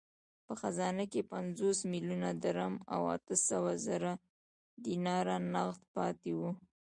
په خزانه کې پنځوس میلیونه درم او اته سوه زره دیناره نغد پاته وو.